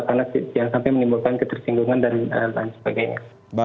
karena jangan sampai menimbulkan ketersinggungan dan lain sebagainya